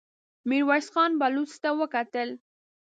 ميرويس خان بلوڅ ته وکتل.